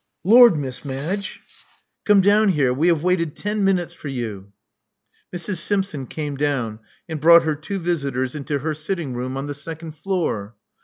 ' •*Lor', Miss Madge!" 88 Love Among the Artists Came down here. We have waited ten minutes for you." Mrs. Simpson came down, and brought her two visitors into her sitting room on the second floor.